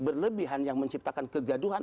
berlebihan yang menciptakan kegaduhan